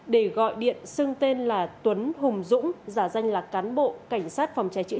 để gọi điện xưng tên là tuấn hùng dũng giả danh là cán bộ cảnh sát phòng trái chữ